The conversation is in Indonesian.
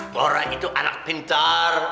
bora itu anak pintar